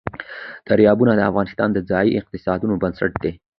دریابونه د افغانستان د ځایي اقتصادونو بنسټ دی.